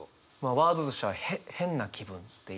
ワードとしては「変な気分」っていう。